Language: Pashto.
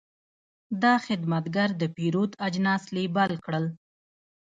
دا خدمتګر د پیرود اجناس لیبل کړل.